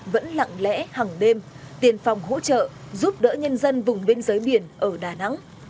tám nghìn ba trăm chín mươi bốn vẫn lặng lẽ hằng đêm tiền phòng hỗ trợ giúp đỡ nhân dân vùng biên giới biển ở đà nẵng